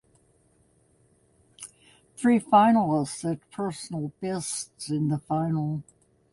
Three finalists set personal bests in the final.